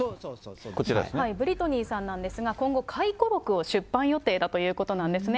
ブリトニーさんですが、今後、回顧録を出版予定だということなんですね。